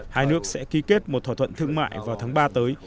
hai nước sẽ ký kết một thỏa thuận thương mại vào tháng ba tới